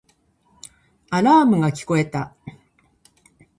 アラームが聞こえた